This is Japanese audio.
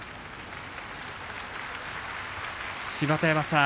芝田山さん